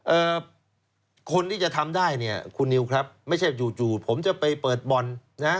เอ่อคนที่จะทำได้เนี่ยคุณนิวครับไม่ใช่จู่จู่ผมจะไปเปิดบ่อนนะ